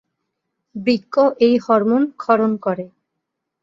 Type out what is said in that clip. বৃক্ক এই হরমোন ক্ষরণ করে।